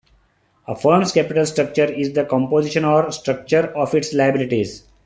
A firm's capital structure is the composition or 'structure' of its liabilities.